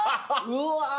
うわ。